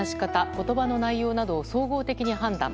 言葉の内容などを総合的に判断。